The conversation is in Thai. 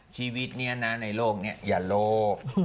ชีวิตเนี่ยนะในโลกเนี่ยอย่าโลก